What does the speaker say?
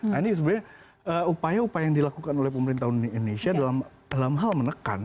nah ini sebenarnya upaya upaya yang dilakukan oleh pemerintah indonesia dalam hal menekan